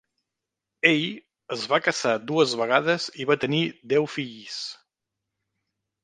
Ell es va casar dues vegades i va tenir deu fills.